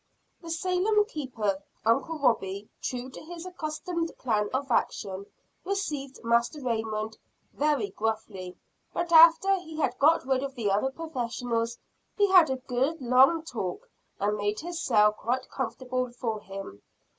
The Salem keeper, Uncle Robie, true to his accustomed plan of action, received Master Raymond very gruffly; but after he had got rid of the other professionals, he had a good long talk, and made his cell quite comfortable for him.